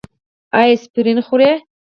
ایا اسپرین خورئ؟